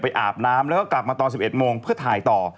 อาบน้ำแล้วก็กลับมาตอน๑๑โมงเพื่อถ่ายต่อ